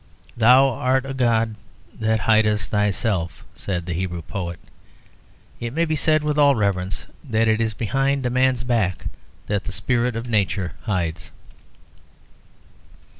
"Thou art a God that hidest Thyself," said the Hebrew poet. It may be said with all reverence that it is behind a man's back that the spirit of nature hides.